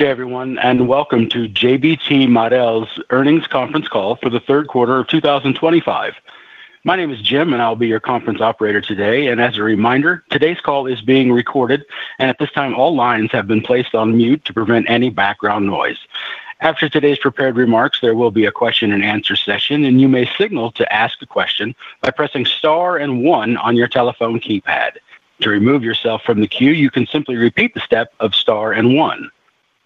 Good day, everyone, and welcome to JBT Marel's earnings conference call for the third quarter of 2025. My name is Jim, and I'll be your conference operator today, and as a reminder, today's call is being recorded, and at this time, all lines have been placed on mute to prevent any background noise. After today's prepared remarks, there will be a question-and-answer session, and you may signal to ask a question by pressing star and one on your telephone keypad. To remove yourself from the queue, you can simply repeat the step of star and one.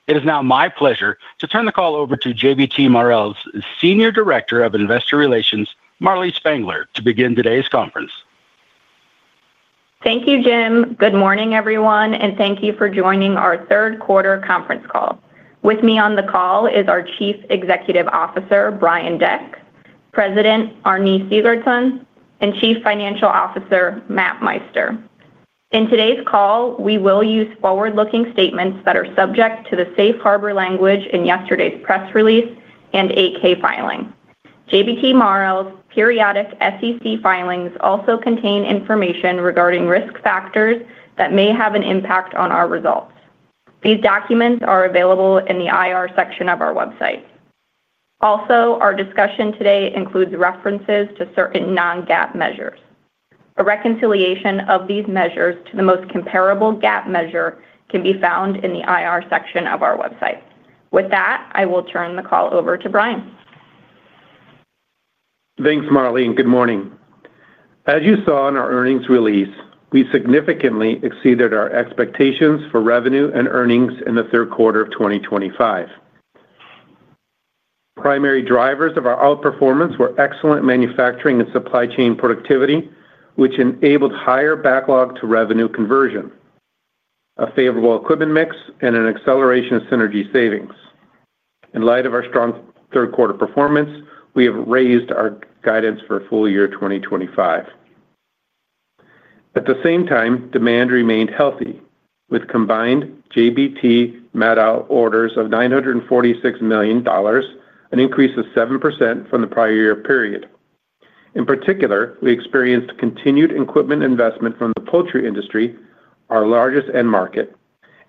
It is now my pleasure to turn the call over to JBT Marel's Senior Director of Investor Relations, Marlee Spangler, to begin today's conference. Thank you, Jim. Good morning, everyone, and thank you for joining our third quarter conference call. With me on the call is our Chief Executive Officer, Brian Deck, President Árni Sigurðsson, and Chief Financial Officer, Matt Meister. In today's call, we will use forward-looking statements that are subject to the Safe Harbor language in yesterday's press release and 8-K filing. JBT Marel's periodic SEC filings also contain information regarding risk factors that may have an impact on our results. These documents are available in the IR section of our website. Also, our discussion today includes references to certain non-GAAP measures. A reconciliation of these measures to the most comparable GAAP measure can be found in the IR section of our website. With that, I will turn the call over to Brian. Thanks, Marlee, and good morning. As you saw in our earnings release, we significantly exceeded our expectations for revenue and earnings in the third quarter of 2025. Primary drivers of our outperformance were excellent manufacturing and supply chain productivity, which enabled higher backlog-to-revenue conversion, a favorable equipment mix, and an acceleration of synergy savings. In light of our strong third quarter performance, we have raised our guidance for full year 2025. At the same time, demand remained healthy, with combined JBT/Marel orders of $946 million, an increase of 7% from the prior year period. In particular, we experienced continued equipment investment from the poultry industry, our largest end market,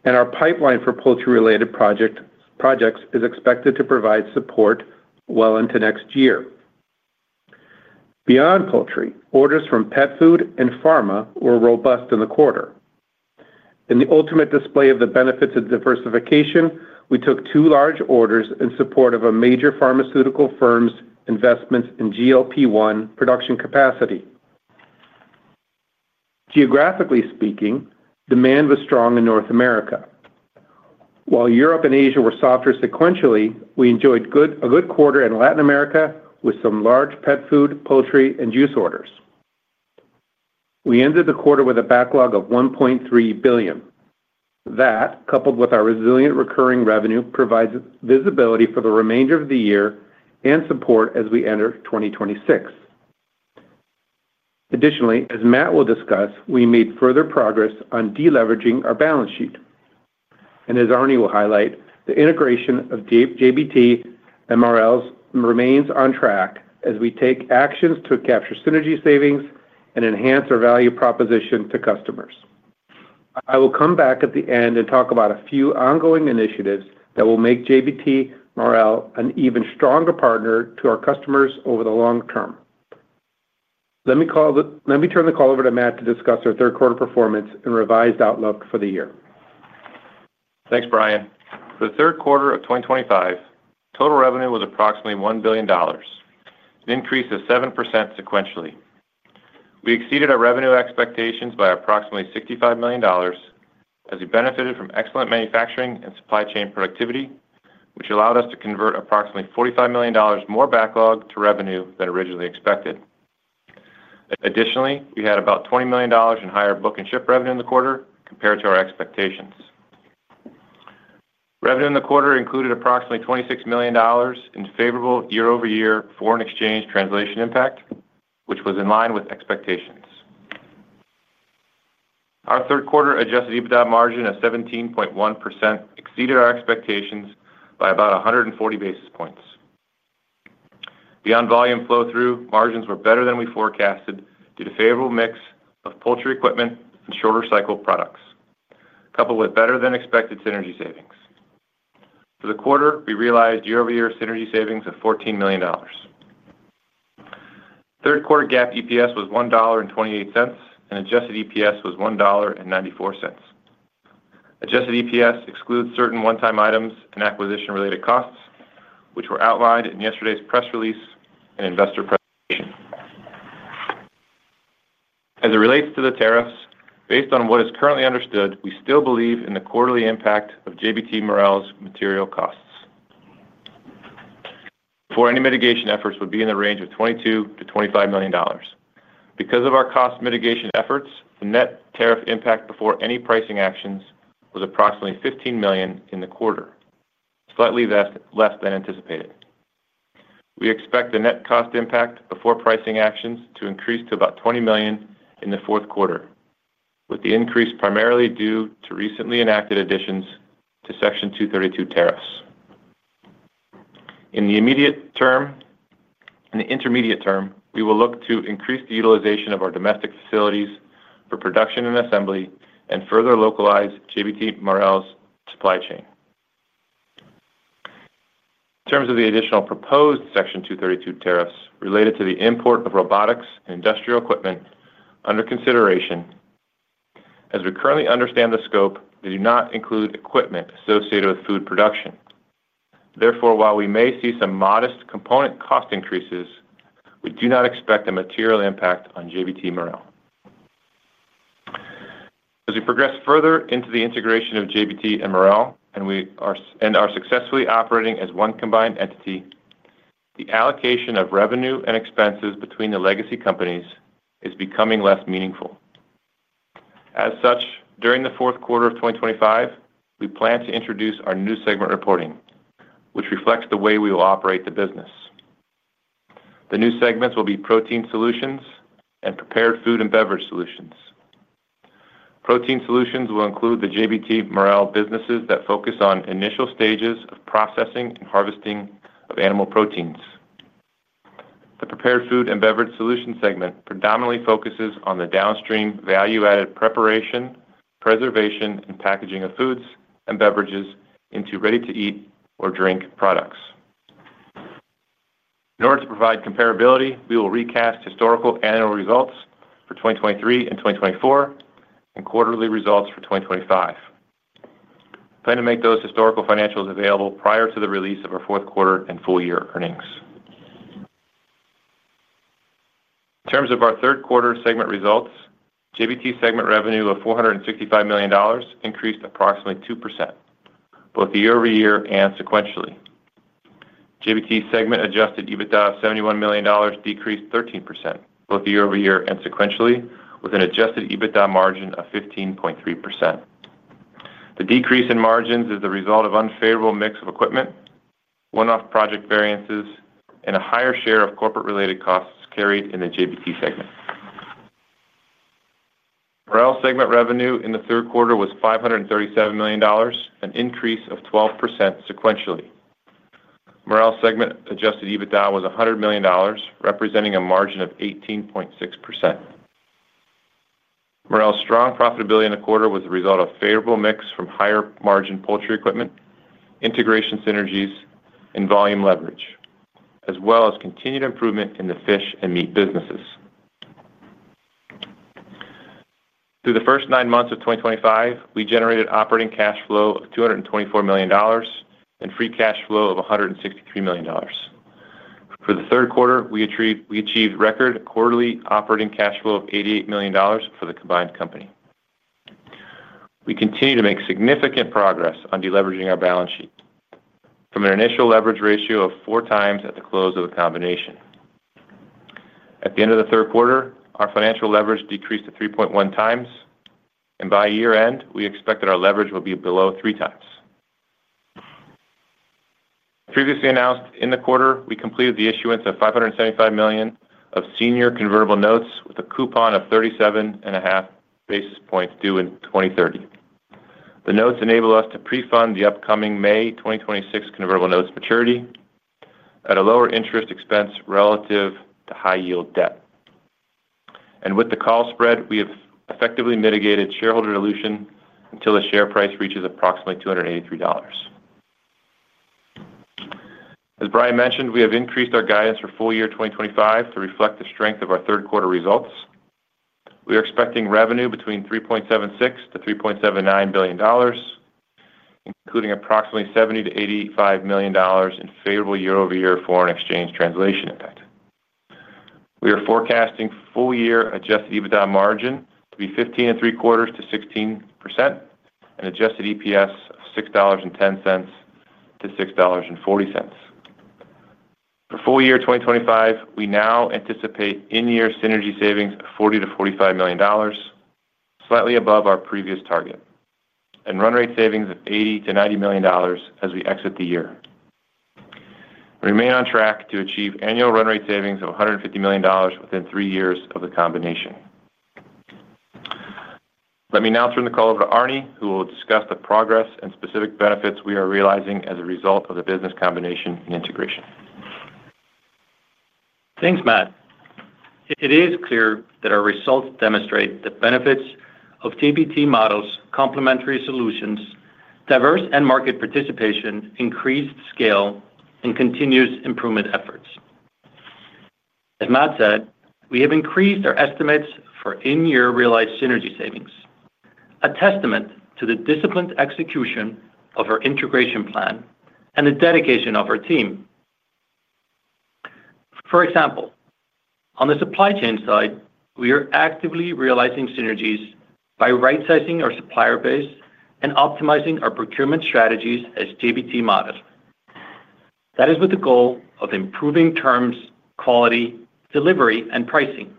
and our pipeline for poultry-related projects is expected to provide support well into next year. Beyond poultry, orders from pet food and pharma were robust in the quarter. In the ultimate display of the benefits of diversification, we took two large orders in support of a major pharmaceutical firm's investments in GLP-1 production capacity. Geographically speaking, demand was strong in North America. While Europe and Asia were softer sequentially, we enjoyed a good quarter in Latin America with some large pet food, poultry, and juice orders. We ended the quarter with a backlog of $1.3 billion. That, coupled with our resilient recurring revenue, provides visibility for the remainder of the year and support as we enter 2026. Additionally, as Matt will discuss, we made further progress on deleveraging our balance sheet, and as Árni will highlight, the integration of JBT and Marel remains on track as we take actions to capture synergy savings and enhance our value proposition to customers. I will come back at the end and talk about a few ongoing initiatives that will make JBT Marel an even stronger partner to our customers over the long-term. Let me turn the call over to Matt to discuss our third quarter performance and revised outlook for the year. Thanks, Brian. For the third quarter of 2025, total revenue was approximately $1 billion, an increase of 7% sequentially. We exceeded our revenue expectations by approximately $65 million. As we benefited from excellent manufacturing and supply chain productivity, which allowed us to convert approximately $45 million more backlog to revenue than originally expected. Additionally, we had about $20 million in higher book and ship revenue in the quarter compared to our expectations. Revenue in the quarter included approximately $26 million in favorable year-over-year foreign exchange translation impact, which was in line with expectations. Our third quarter adjusted EBITDA margin of 17.1% exceeded our expectations by about 140 basis points. Beyond volume flow-through, margins were better than we forecasted due to a favorable mix of poultry equipment and shorter-cycle products, coupled with better-than-expected synergy savings. For the quarter, we realized year-over-year synergy savings of $14 million. Third quarter GAAP EPS was $1.28, and adjusted EPS was $1.94. Adjusted EPS excludes certain one-time items and acquisition-related costs, which were outlined in yesterday's press release and investor presentation. As it relates to the tariffs, based on what is currently understood, we still believe in the quarterly impact of JBT Marel's material costs before any mitigation efforts would be in the range of $22-$25 million. Because of our cost mitigation efforts, the net tariff impact before any pricing actions was approximately $15 million in the quarter, slightly less than anticipated. We expect the net cost impact before pricing actions to increase to about $20 million in the fourth quarter, with the increase primarily due to recently enacted additions to Section 232 tariffs. In the immediate term and the intermediate term, we will look to increase the utilization of our domestic facilities for production and assembly and further localize JBT Marel's supply chain. In terms of the additional proposed Section 232 tariffs related to the import of robotics and industrial equipment under consideration, as we currently understand the scope, they do not include equipment associated with food production. Therefore, while we may see some modest component cost increases, we do not expect a material impact on JBT Marel. As we progress further into the integration of JBT and Marel, and we are successfully operating as one combined entity, the allocation of revenue and expenses between the legacy companies is becoming less meaningful. As such, during the fourth quarter of 2025, we plan to introduce our new segment reporting, which reflects the way we will operate the business. The new segments will be Protein Solutions and Prepared Food and Beverage Solutions. Protein Solutions will include the JBT Marel businesses that focus on initial stages of processing and harvesting of animal proteins. The Prepared Food and Beverage Solutions segment predominantly focuses on the downstream value-added preparation, preservation, and packaging of foods and beverages into ready-to-eat or drink products. In order to provide comparability, we will recast historical annual results for 2023 and 2024 and quarterly results for 2025. We plan to make those historical financials available prior to the release of our fourth quarter and full year earnings. In terms of our third quarter segment results, JBT segment revenue of $465 million increased approximately 2%, both year-over-year and sequentially. JBT segment adjusted EBITDA of $71 million decreased 13%, both year-over-year and sequentially, with an adjusted EBITDA margin of 15.3%. The decrease in margins is the result of an unfavorable mix of equipment, one-off project variances, and a higher share of corporate-related costs carried in the JBT segment. Marel segment revenue in the third quarter was $537 million, an increase of 12% sequentially. Marel segment adjusted EBITDA was $100 million, representing a margin of 18.6%. Marel's strong profitability in the quarter was the result of a favorable mix from higher-margin poultry equipment, integration synergies, and volume leverage, as well as continued improvement in the fish and meat businesses. Through the first nine months of 2025, we generated operating cash flow of $224 million and free cash flow of $163 million. For the third quarter, we achieved record quarterly operating cash flow of $88 million for the combined company. We continue to make significant progress on deleveraging our balance sheet, from an initial leverage ratio of 4x at the close of the combination. At the end of the third quarter, our financial leverage decreased to 3.1x, and by year-end, we expect that our leverage will be below 3x. Previously announced in the quarter, we completed the issuance of $575 million of senior convertible notes with a coupon of 37.5 basis points due in 2030. The notes enable us to pre-fund the upcoming May 2026 convertible notes' maturity at a lower interest expense relative to high-yield debt. With the call spread, we have effectively mitigated shareholder dilution until the share price reaches approximately $283. As Brian mentioned, we have increased our guidance for full year 2025 to reflect the strength of our third quarter results. We are expecting revenue between $3.76 billion-$3.79 billion, including approximately $70 million-$85 million in favorable year-over-year foreign exchange translation impact. We are forecasting full-year adjusted EBITDA margin to be 15.75%-16%, and adjusted EPS of $6.10-$6.40. For full year 2025, we now anticipate in-year synergy savings of $40 million-$45 million, slightly above our previous target, and run rate savings of $80 million-$90 million as we exit the year. We remain on track to achieve annual run rate savings of $150 million within three years of the combination. Let me now turn the call over to Árni, who will discuss the progress and specific benefits we are realizing as a result of the business combination and integration. Thanks, Matt. It is clear that our results demonstrate the benefits of JBT Marel's complementary solutions, diverse end-market participation, increased scale, and continuous improvement efforts. As Matt said, we have increased our estimates for in-year realized synergy savings, a testament to the disciplined execution of our integration plan and the dedication of our team. For example, on the supply chain side, we are actively realizing synergies by right-sizing our supplier base and optimizing our procurement strategies as JBT Marel. That is with the goal of improving terms, quality, delivery, and pricing.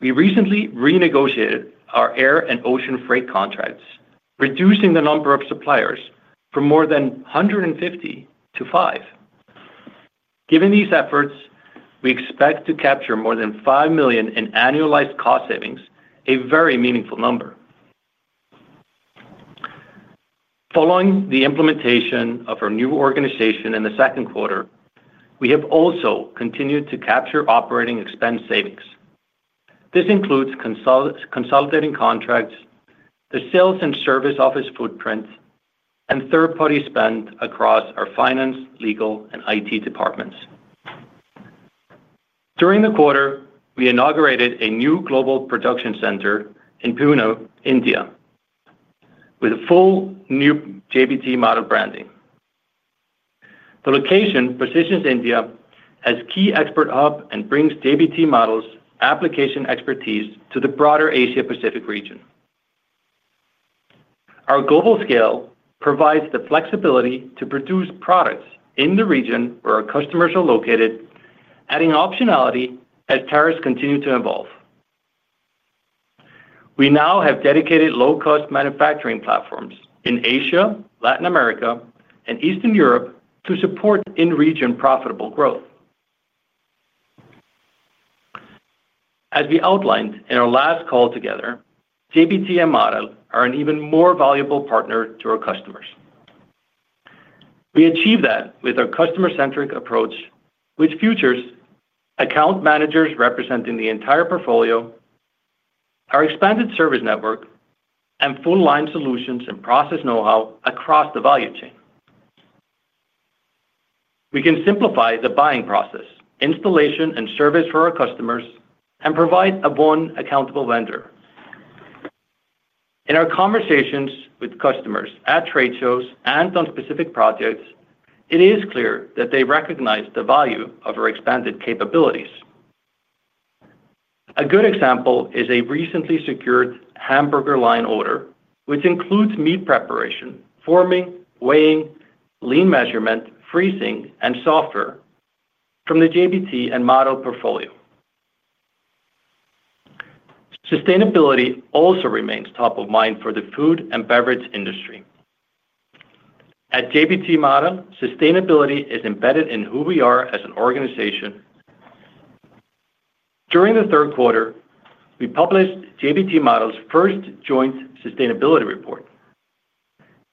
We recently renegotiated our air and ocean freight contracts, reducing the number of suppliers from more than 150 to five. Given these efforts, we expect to capture more than $5 million in annualized cost savings, a very meaningful number. Following the implementation of our new organization in the second quarter, we have also continued to capture operating expense savings. This includes consolidating contracts, the sales and service office footprint, and third-party spend across our finance, legal, and IT departments. During the quarter, we inaugurated a new global production center in Pune, India, with a full new JBT Marel branding. The location positions India as key expertise hub and brings JBT Marel's application expertise to the broader Asia-Pacific region. Our global scale provides the flexibility to produce products in the region where our customers are located, adding optionality as tariffs continue to evolve. We now have dedicated low-cost manufacturing platforms in Asia, Latin America, and Eastern Europe to support in-region profitable growth. As we outlined in our last call together, JBT and Marel are an even more valuable partner to our customers. We achieve that with our customer-centric approach, which features account managers representing the entire portfolio, our expanded service network, and full-line solutions and process know-how across the value chain. We can simplify the buying process, installation, and service for our customers, and provide a one-accountable vendor. In our conversations with customers at trade shows and on specific projects, it is clear that they recognize the value of our expanded capabilities. A good example is a recently secured hamburger line order, which includes meat preparation, forming, weighing, lean measurement, freezing, and software from the JBT and Marel portfolio. Sustainability also remains top of mind for the food and beverage industry. At JBT Marel, sustainability is embedded in who we are as an organization. During the third quarter, we published JBT Marel's first joint sustainability report.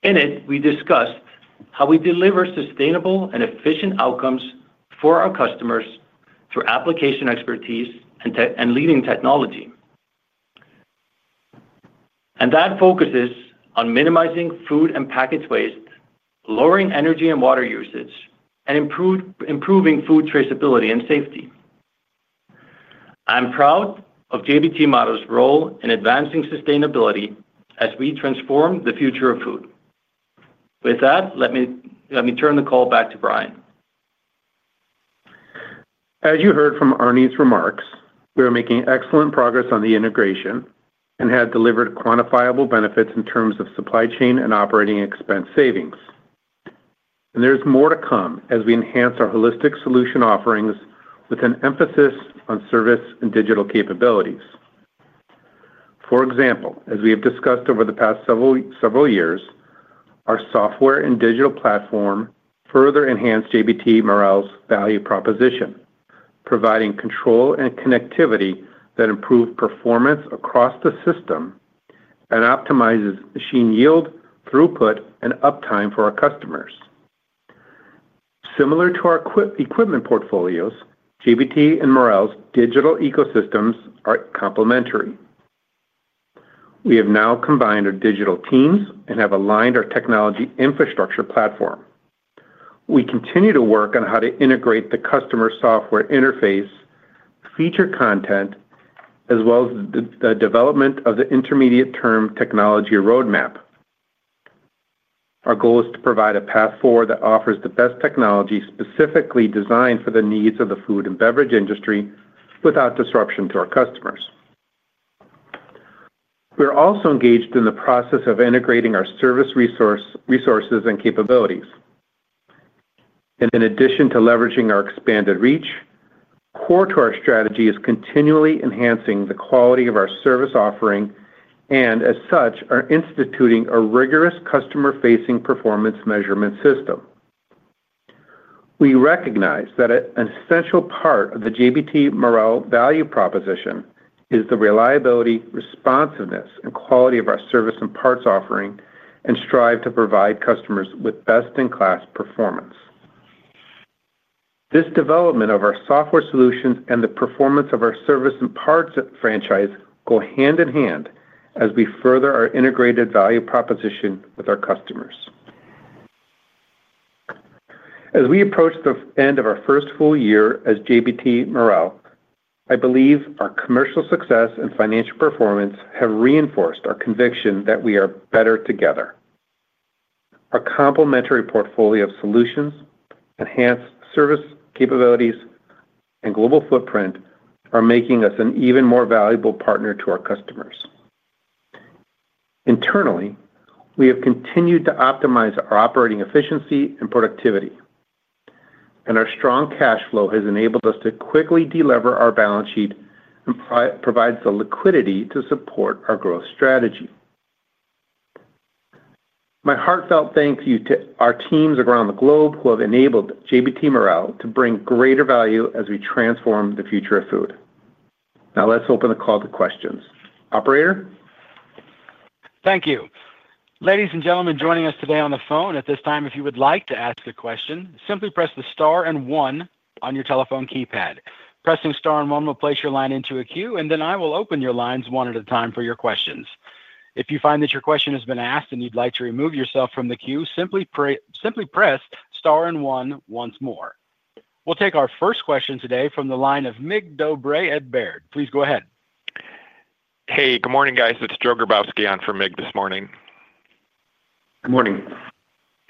In it, we discussed how we deliver sustainable and efficient outcomes for our customers through application expertise and leading technology, and that focuses on minimizing food and package waste, lowering energy and water usage, and improving food traceability and safety. I'm proud of JBT Marel's role in advancing sustainability as we transform the future of food. With that, let me turn the call back to Brian. As you heard from Árni's remarks, we are making excellent progress on the integration and have delivered quantifiable benefits in terms of supply chain and operating expense savings. And there's more to come as we enhance our holistic solution offerings with an emphasis on service and digital capabilities. For example, as we have discussed over the past several years, our software and digital platform further enhanced JBT Marel's value proposition, providing control and connectivity that improves performance across the system and optimizes machine yield, throughput, and uptime for our customers. Similar to our equipment portfolios, JBT and Marel's digital ecosystems are complementary. We have now combined our digital teams and have aligned our technology infrastructure platform. We continue to work on how to integrate the customer software interface. Feature content, as well as the development of the intermediate-term technology roadmap. Our goal is to provide a path forward that offers the best technology specifically designed for the needs of the food and beverage industry without disruption to our customers. We are also engaged in the process of integrating our service resources and capabilities. And in addition to leveraging our expanded reach, core to our strategy is continually enhancing the quality of our service offering and, as such, are instituting a rigorous customer-facing performance measurement system. We recognize that an essential part of the JBT Marel value proposition is the reliability, responsiveness, and quality of our service and parts offering and strive to provide customers with best-in-class performance. This development of our software solutions and the performance of our service and parts franchise go hand in hand as we further our integrated value proposition with our customers. As we approach the end of our first full year as JBT Marel, I believe our commercial success and financial performance have reinforced our conviction that we are better together. Our complementary portfolio of solutions, enhanced service capabilities, and global footprint are making us an even more valuable partner to our customers. Internally, we have continued to optimize our operating efficiency and productivity. And our strong cash flow has enabled us to quickly deliver our balance sheet and provides the liquidity to support our growth strategy. My heartfelt thanks to our teams around the globe who have enabled JBT Marel to bring greater value as we transform the future of food. Now let's open the call to questions. Operator? Thank you. Ladies and gentlemen joining us today on the phone, at this time, if you would like to ask a question, simply press the star and one on your telephone keypad. Pressing star and one will place your line into a queue, and then I will open your lines one at a time for your questions. If you find that your question has been asked and you'd like to remove yourself from the queue, simply press star and one once more. We'll take our first question today from the line of Mick Dobre at Baird. Please go ahead. Hey, good morning, guys. It's [Joger Bauske] on for Mick this morning. Good morning.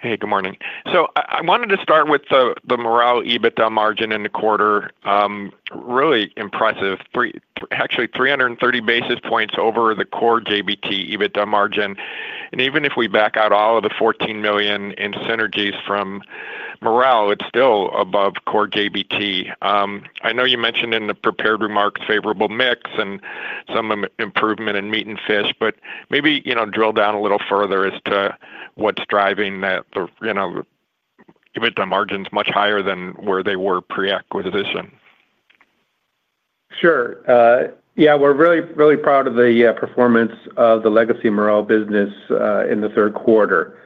Hey, good morning. So I wanted to start with the Marel EBITDA margin in the quarter. Really impressive. Actually, 330 basis points over the core JBT EBITDA margin. And even if we back out all of the $14 million in synergies from Marel, it's still above core JBT. I know you mentioned in the prepared remarks favorable mix and some improvement in meat and fish, but maybe drill down a little further as to what's driving that EBITDA margin is much higher than where they were pre-acquisition. Sure. Yeah, we're really, really proud of the performance of the legacy Marel business in the third quarter.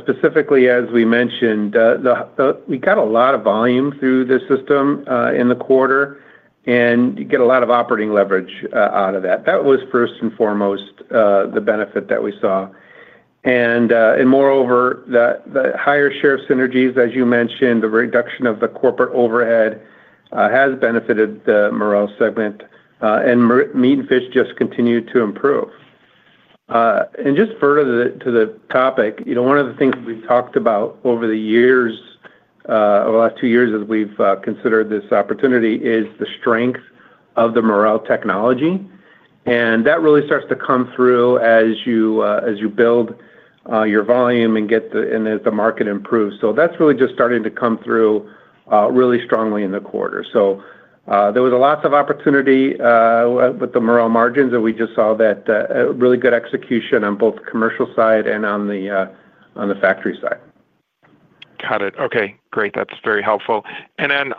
Specifically, as we mentioned, we got a lot of volume through the system in the quarter, and you get a lot of operating leverage out of that. That was first and foremost the benefit that we saw. And moreover, the higher share of synergies, as you mentioned, the reduction of the corporate overhead has benefited the Marel segment, and meat and fish just continued to improve. And just further to the topic, one of the things that we've talked about over the years, over the last two years as we've considered this opportunity, is the strength of the Marel technology. And that really starts to come through as you build your volume and get the market improved. So that's really just starting to come through really strongly in the quarter. So there was lots of opportunity with the Marel margins, and we just saw that really good execution on both the commercial side and on the factory side. Got it. Okay. Great. That's very helpful. And then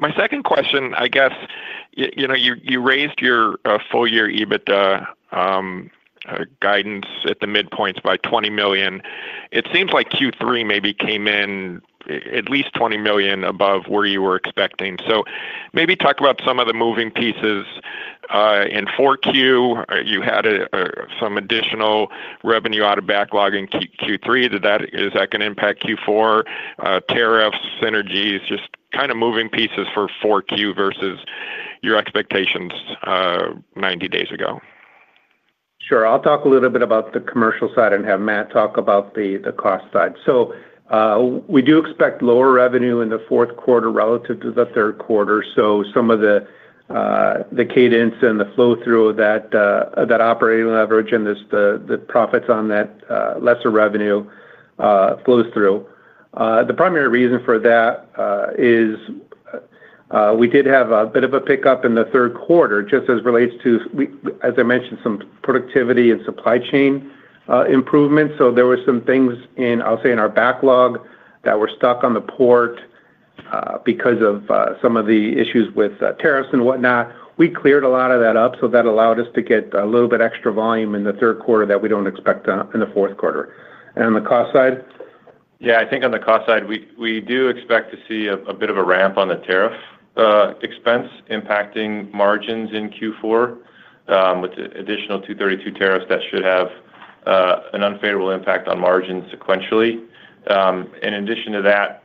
my second question, I guess. You raised your full-year EBITDA guidance at the midpoint by $20 million. It seems like Q3 maybe came in at least $20 million above where you were expecting. So maybe talk about some of the moving pieces. In 4Q, you had some additional revenue out of backlog in Q3. Is that going to impact Q4 tariffs, synergies, just kind of moving pieces for 4Q versus your expectations 90 days ago. Sure. I'll talk a little bit about the commercial side and have Matt talk about the cost side. So, we do expect lower revenue in the fourth quarter relative to the third quarter. So some of the cadence and the flow through that operating leverage and the profits on that lesser revenue flows through. The primary reason for that is we did have a bit of a pickup in the third quarter, just as relates to, as I mentioned, some productivity and supply chain improvements. So there were some things in, I'll say, in our backlog that were stuck on the port because of some of the issues with tariffs and whatnot. We cleared a lot of that up, so that allowed us to get a little bit extra volume in the third quarter that we don't expect in the fourth quarter. And on the cost side? Yeah, I think on the cost side, we do expect to see a bit of a ramp on the tariff expense impacting margins in Q4. With the additional 232 tariffs that should have an unfavorable impact on margins sequentially. In addition to that,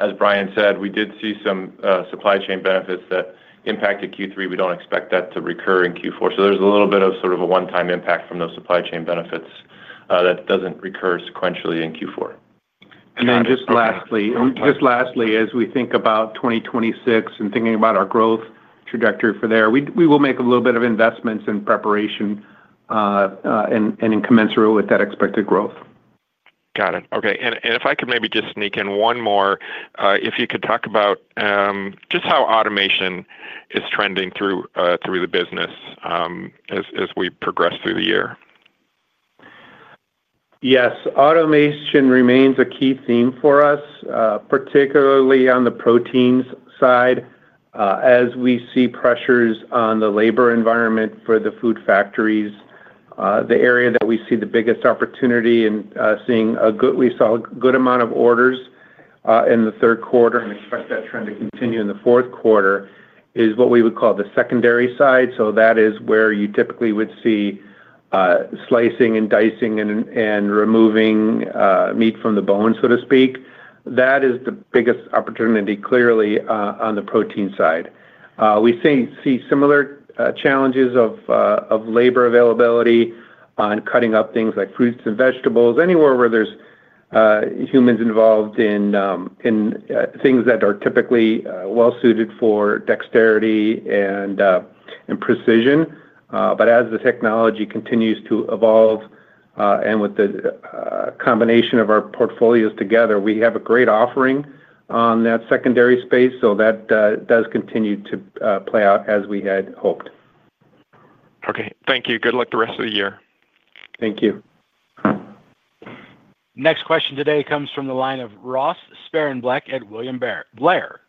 as Brian said, we did see some supply chain benefits that impacted Q3. We don't expect that to recur in Q4. So there's a little bit of sort of a one-time impact from those supply chain benefits that doesn't recur sequentially in Q4. And then just lastly, as we think about 2026 and thinking about our growth trajectory for there, we will make a little bit of investments in preparation and commensurate with that expected growth. Got it. Okay. And if I could maybe just sneak in one more, if you could talk about just how automation is trending through the business as we progress through the year. Yes. Automation remains a key theme for us, particularly on the proteins side. As we see pressures on the labor environment for the food factories. The area that we see the biggest opportunity in. We saw a good amount of orders in the third quarter and expect that trend to continue in the fourth quarter is what we would call the secondary side. So that is where you typically would see slicing and dicing and removing meat from the bone, so to speak. That is the biggest opportunity clearly on the protein side. We see similar challenges of labor availability on cutting up things like fruits and vegetables, anywhere where there's humans involved in things that are typically well-suited for dexterity and precision. But as the technology continues to evolve. And with the combination of our portfolios together, we have a great offering on that secondary space. So that does continue to play out as we had hoped. Okay. Thank you. Good luck the rest of the year. Thank you. Next question today comes from the line of Ross Sparenblek at William Blair.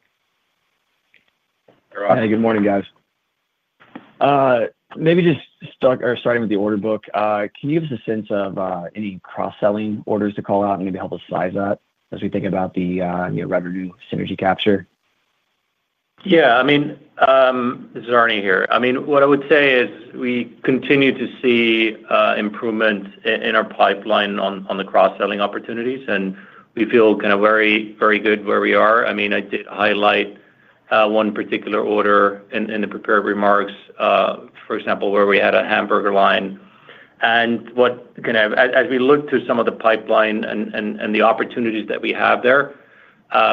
Hey, good morning, guys. Maybe just starting with the order book, can you give us a sense of any cross-selling orders to call out and maybe help us size that as we think about the revenue synergy capture? Yeah. I mean. This is Árni here. I mean, what I would say is we continue to see improvements in our pipeline on the cross-selling opportunities, and we feel kind of very, very good where we are. I mean, I did highlight. One particular order in the prepared remarks, for example, where we had a hamburger line. And as we looked through some of the pipeline and the opportunities that we have there,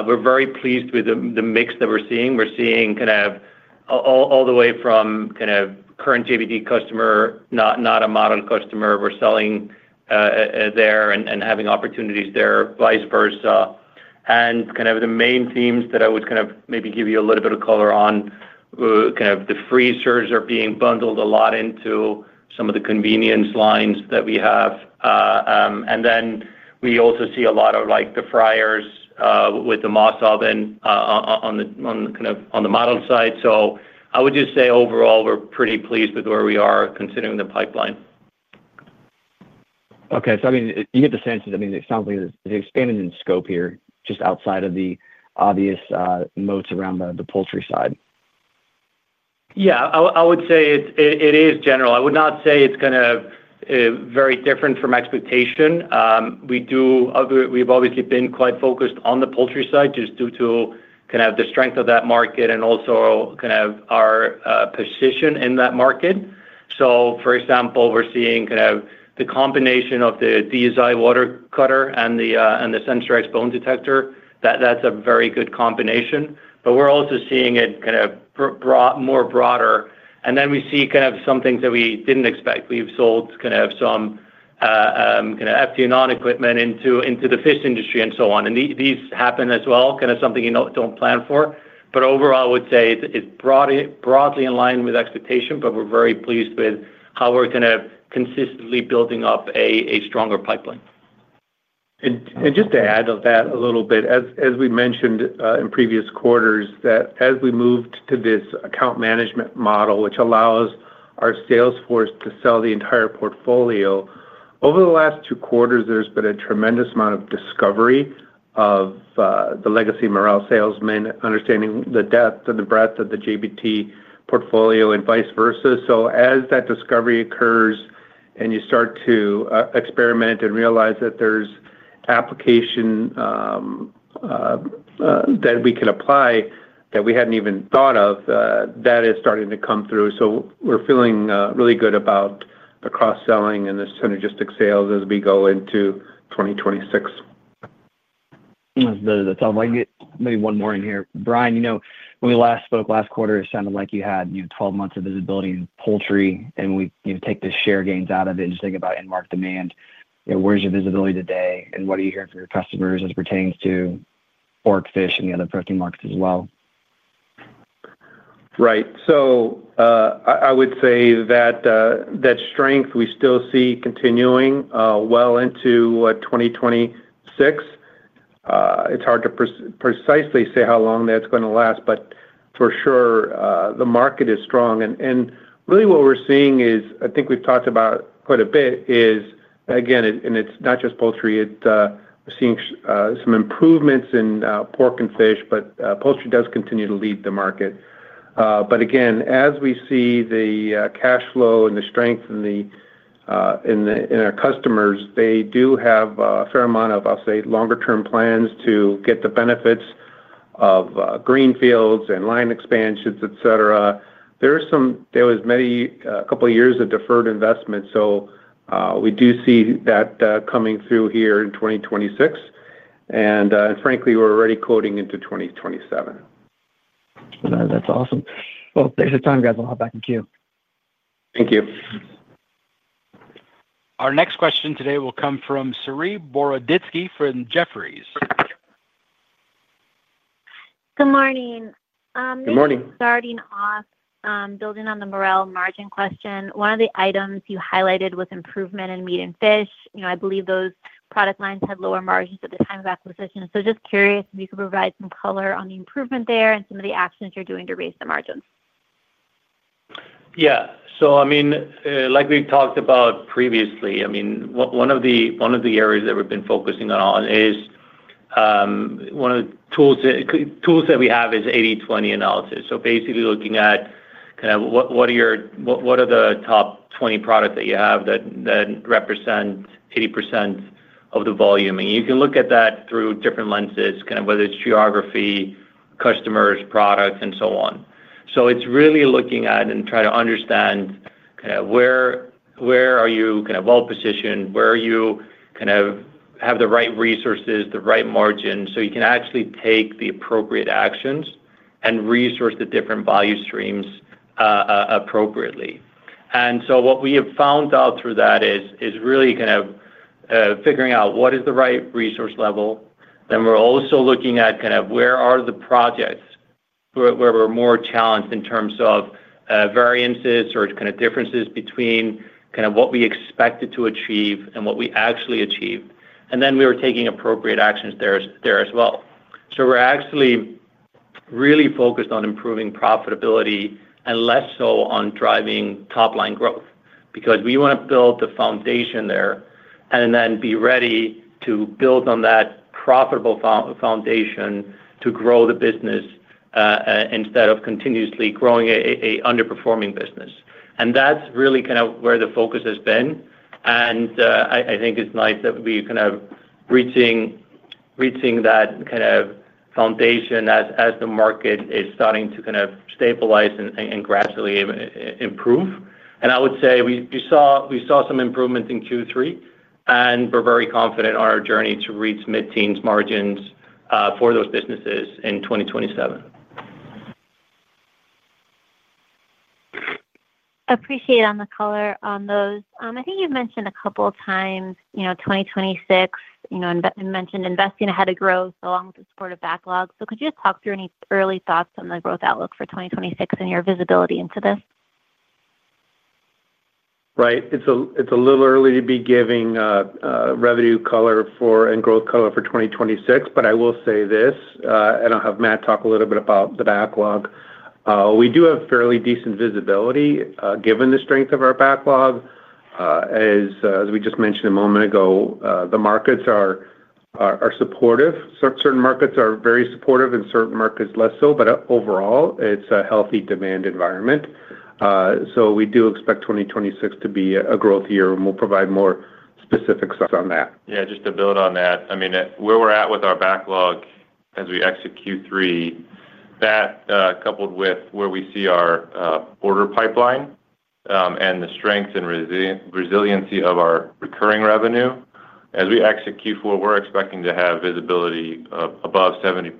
we're very pleased with the mix that we're seeing. We're seeing kind of. All the way from kind of current JBT customer, not a Marel customer, we're selling. There and having opportunities there, vice versa. And kind of the main themes that I would kind of maybe give you a little bit of color on. Kind of the freezers are being bundled a lot into some of the convenience lines that we have. And then we also see a lot of the fryers with the Marel oven on the kind of on the Marel side. So I would just say overall, we're pretty pleased with where we are considering the pipeline. Okay. So I mean, you get the sense. I mean, it sounds like there's expanded in scope here just outside of the obvious moats around the poultry side. Yeah. I would say it is general. I would not say it's kind of very different from expectation. We've obviously been quite focused on the poultry side just due to kind of the strength of that market and also kind of our position in that market. So for example, we're seeing kind of the combination of the DSI water cutter and the SensorX bone detector. That's a very good combination. But we're also seeing it kind of more broadly. And then we see kind of some things that we didn't expect. We've sold kind of some FD&R equipment into the fish industry and so on. And these happen as well, kind of something you don't plan for. But overall, I would say it's broadly in line with expectation, but we're very pleased with how we're kind of consistently building up a stronger pipeline. Just to add on that a little bit, as we mentioned in previous quarters, that as we moved to this account management model, which allows our salesforce to sell the entire portfolio, over the last two quarters, there's been a tremendous amount of discovery of the legacy Marel salesmen, understanding the depth and the breadth of the JBT portfolio and vice versa. So as that discovery occurs and you start to experiment and realize that there's application that we can apply that we hadn't even thought of, that is starting to come through. So we're feeling really good about the cross-selling and the synergistic sales as we go into 2026. That sounds like it. Maybe one more in here. Brian, when we last spoke last quarter, it sounded like you had 12 months of visibility in poultry, and we take the share gains out of it and just think about in-market demand. Where's your visibility today, and what are you hearing from your customers as it pertains to pork, fish, and the other protein markets as well? Right. So, I would say that that strength we still see continuing well into 2026. It's hard to precisely say how long that's going to last, but for sure, the market is strong, and really what we're seeing is, I think we've talked about quite a bit, is, again, and it's not just poultry. We're seeing some improvements in pork and fish, but poultry does continue to lead the market, but again, as we see the cash flow and the strength in our customers, they do have a fair amount of, I'll say, longer-term plans to get the benefits of greenfields and line expansions, etc. There was a couple of years of deferred investment, so we do see that coming through here in 2026, and frankly, we're already quoting into 2027. That's awesome. Well, thanks for the time, guys. I'll hop back in queue. Thank you. Our next question today will come from Saree Boroditsky from Jefferies. Good morning. Good morning. Starting off, building on the Marel margin question, one of the items you highlighted was improvement in meat and fish. I believe those product lines had lower margins at the time of acquisition. So just curious if you could provide some color on the improvement there and some of the actions you're doing to raise the margin? Yeah. So I mean, like we've talked about previously, I mean, one of the areas that we've been focusing on is one of the tools that we have is 80/20 analysis. So basically looking at kind of what are the top 20 products that you have that represent 80% of the volume. And you can look at that through different lenses, kind of whether it's geography, customers, products, and so on. So it's really looking at and trying to understand kind of where are you kind of well-positioned? Where are you kind of have the right resources, the right margin? So you can actually take the appropriate actions and resource the different value streams appropriately. And so what we have found out through that is really kind of figuring out what is the right resource level. Then we're also looking at kind of where are the projects where we're more challenged in terms of variances or kind of differences between kind of what we expected to achieve and what we actually achieved. And then we were taking appropriate actions there as well. So we're actually really focused on improving profitability and less so on driving top-line growth because we want to build the foundation there and then be ready to build on that profitable foundation to grow the business instead of continuously growing an underperforming business. And that's really kind of where the focus has been. And I think it's nice that we're kind of reaching that kind of foundation as the market is starting to kind of stabilize and gradually improve. And I would say we saw some improvement in Q3, and we're very confident on our journey to reach mid-teens margins for those businesses in 2027. Appreciate it on the color on those. I think you've mentioned a couple of times 2026, you mentioned investing ahead of growth along with the support of backlog. So could you just talk through any early thoughts on the growth outlook for 2026 and your visibility into this? Right. It's a little early to be giving revenue color and growth color for 2026, but I will say this, and I'll have Matt talk a little bit about the backlog. We do have fairly decent visibility given the strength of our backlog. As we just mentioned a moment ago, the markets are supportive. Certain markets are very supportive and certain markets less so, but overall, it's a healthy demand environment. So we do expect 2026 to be a growth year, and we'll provide more specific stuff on that. Yeah. Just to build on that, I mean, where we're at with our backlog as we exit Q3. That coupled with where we see our order pipeline and the strength and resiliency of our recurring revenue, as we exit Q4, we're expecting to have visibility above 70%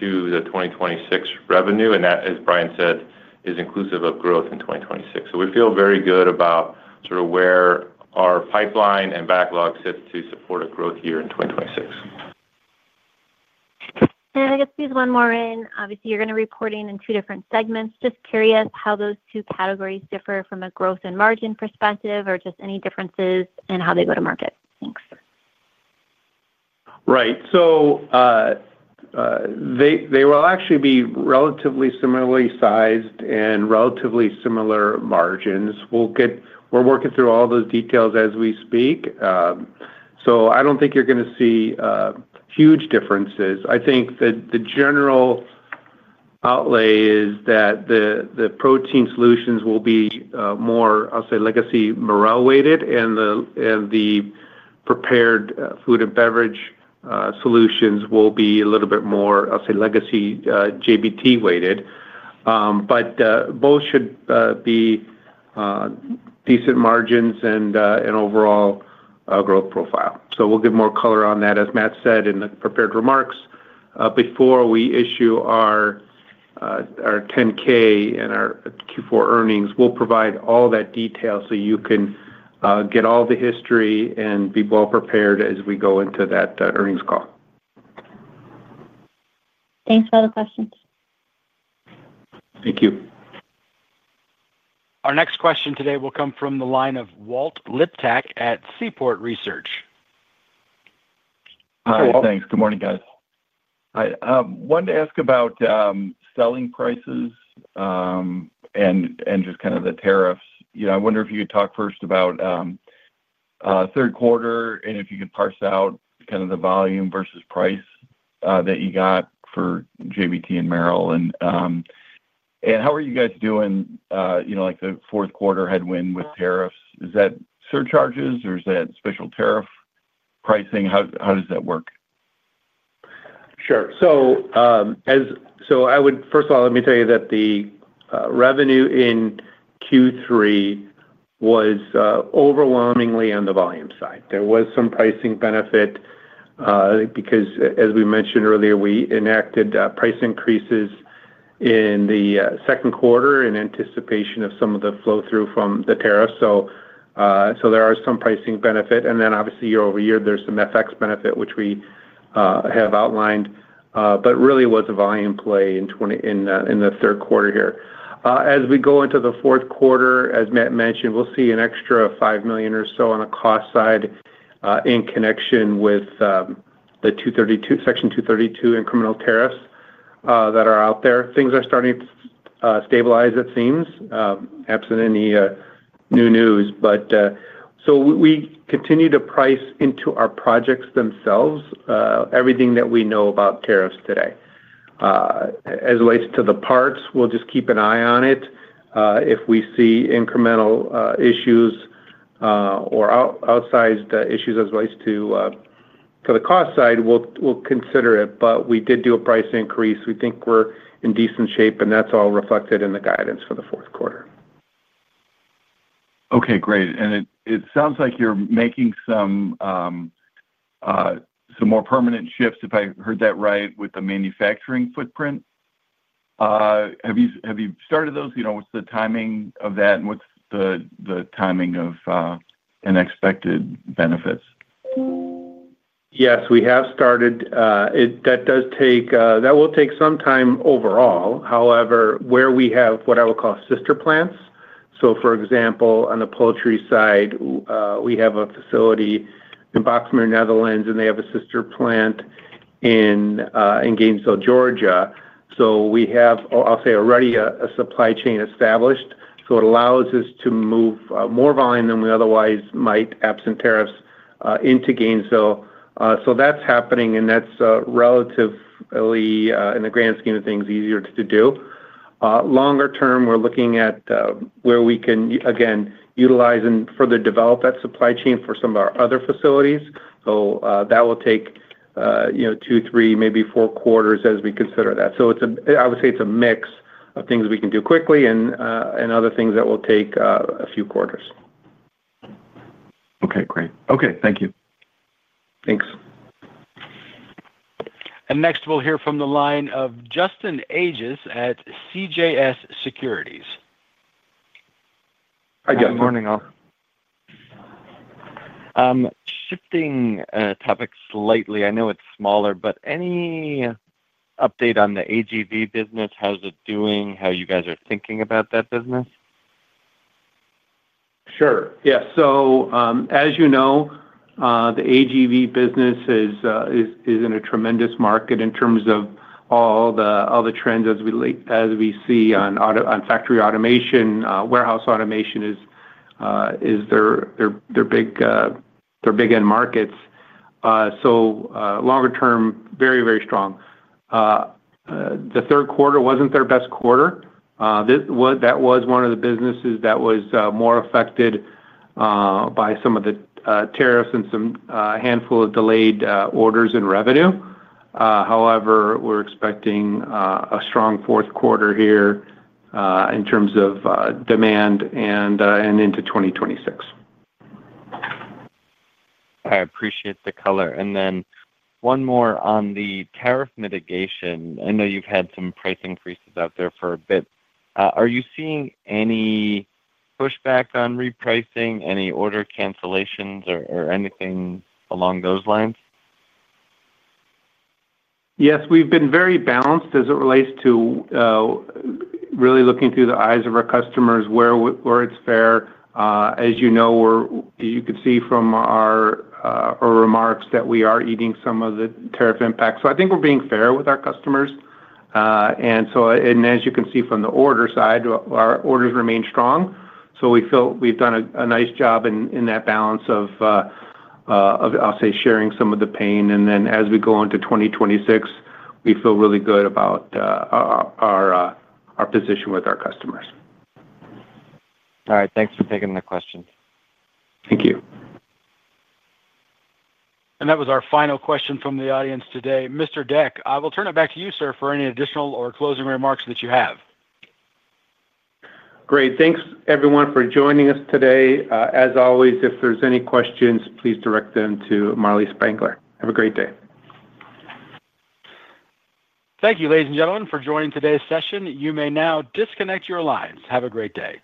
to the 2026 revenue, and that, as Brian said, is inclusive of growth in 2026, so we feel very good about sort of where our pipeline and backlog sits to support a growth year in 2026. And I guess, please, one more in. Obviously, you're going to be reporting in two different segments. Just curious how those two categories differ from a growth and margin perspective or just any differences in how they go to market. Thanks. Right. So, they will actually be relatively similarly sized and relatively similar margins. We're working through all the details as we speak. So I don't think you're going to see huge differences. I think the general outlay is that the protein solutions will be more, I'll say, legacy Marel weighted, and the prepared food and beverage solutions will be a little bit more, I'll say, legacy JBT weighted. But both should be decent margins and overall growth profile. So we'll give more color on that, as Matt said in the prepared remarks. Before we issue our 10-K and our Q4 earnings, we'll provide all that detail so you can get all the history and be well prepared as we go into that earnings call. Thanks for all the questions. Thank you. Our next question today will come from the line of Walt Liptak at Seaport Research. Hi. Thanks. Good morning, guys. I wanted to ask about selling prices and just kind of the tariffs. I wonder if you could talk first about third quarter and if you could parse out kind of the volume versus price that you got for JBT and Marel. And how are you guys doing like the fourth quarter headwind with tariffs? Is that surcharges, or is that special tariff pricing? How does that work? Sure. So. I would, first of all, let me tell you that the revenue in Q3 was overwhelmingly on the volume side. There was some pricing benefit because, as we mentioned earlier, we enacted price increases in the second quarter in anticipation of some of the flow-through from the tariffs, so there are some pricing benefits. And then, obviously, year over year, there's some FX benefit, which we have outlined, but really was a volume play in the third quarter here. As we go into the fourth quarter, as Matt mentioned, we'll see an extra $5 million or so on the cost side. In connection with the Section 232 and Section 301 tariffs that are out there, things are starting to stabilize, it seems, absent any new news. So we continue to price into our projects themselves everything that we know about tariffs today. As it relates to the parts, we'll just keep an eye on it. If we see incremental issues or outsized issues as it relates to the cost side, we'll consider it, but we did do a price increase. We think we're in decent shape, and that's all reflected in the guidance for the fourth quarter. Okay. Great. And it sounds like you're making some more permanent shifts, if I heard that right, with the manufacturing footprint. Have you started those? What's the timing of that, and what's the timing of unexpected benefits? Yes, we have started. That does take, that will take some time overall. However, where we have what I would call sister plants. So, for example, on the poultry side, we have a facility in Boxmeer, Netherlands, and they have a sister plant. In Gainesville, Georgia. So we have, I'll say, already a supply chain established. So it allows us to move more volume than we otherwise might, absent tariffs, into Gainesville. So that's happening, and that's relatively, in the grand scheme of things, easier to do. Longer-term, we're looking at where we can, again, utilize and further develop that supply chain for some of our other facilities. So that will take two, three, maybe four quarters as we consider that. So I would say it's a mix of things we can do quickly and other things that will take a few quarters. Okay. Great.Okay. Thank you. Thanks. Next, we'll hear from the line of Justin Ages at CJS Securities. Hi, guys. Good morning, all. Shifting topics slightly. I know it's smaller, but any update on the AGV business? How's it doing? How you guys are thinking about that business? Sure. Yeah. So, as you know, the AGV business is in a tremendous market in terms of all the trends as we see on factory automation, warehouse automation. It's their big end markets. So longer-term, very, very strong. The third quarter wasn't their best quarter. That was one of the businesses that was more affected by some of the tariffs and a handful of delayed orders and revenue. However, we're expecting a strong fourth quarter here in terms of demand and into 2026. I appreciate the color. And then one more on the tariff mitigation. I know you've had some price increases out there for a bit. Are you seeing any pushback on repricing, any order cancellations, or anything along those lines? Yes. We've been very balanced as it relates to really looking through the eyes of our customers where it's fair. As you know, you could see from our remarks that we are eating some of the tariff impacts. So I think we're being fair with our customers. And as you can see from the order side, our orders remain strong. So we've done a nice job in that balance of, I'll say, sharing some of the pain. And then, as we go into 2026, we feel really good about our position with our customers. All right. Thanks for taking the questions. Thank you. That was our final question from the audience today. Mr. Deck, I will turn it back to you, sir, for any additional or closing remarks that you have. Great. Thanks, everyone, for joining us today. As always, if there's any questions, please direct them to Marlee Spangler. Have a great day. Thank you, ladies and gentlemen, for joining today's session. You may now disconnect your lines. Have a great day.